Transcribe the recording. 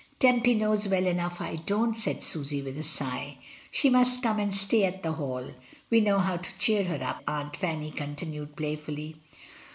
"Tempy knows well enough I don't," said Susy, with a sigh. "She must come and stay at the Hall. We know how to cheer her up," Aunt Fanny continued playfully.